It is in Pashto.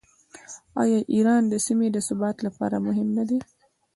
آیا ایران د سیمې د ثبات لپاره مهم نه دی؟